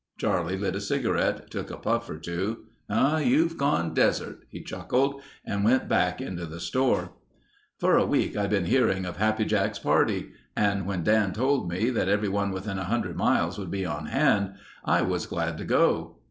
Charlie lit a cigarette, took a puff or two. "You've gone desert," he chuckled and went back into the store. For a week I'd been hearing of Happy Jack's party and when Dan told me that everyone within 100 miles would be on hand, I was glad to go.